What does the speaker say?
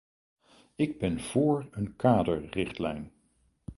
Ik ben voor een kaderrichtlijn.